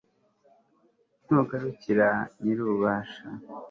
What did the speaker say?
nugarukira nyir'ububasha